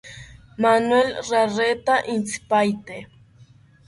Manuel rareta intzipaete